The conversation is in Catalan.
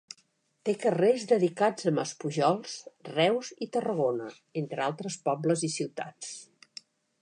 Té carrers dedicats a Maspujols, Reus i Tarragona, entre altres pobles i ciutats.